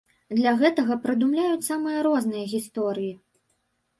Для гэтага прыдумляюць самыя розныя гісторыі.